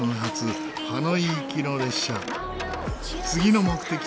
次の目的地